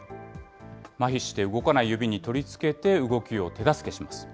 まひして動かない指に取り付けて、動きを手助けします。